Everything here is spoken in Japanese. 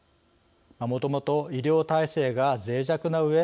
もともと医療体制がぜい弱なうえ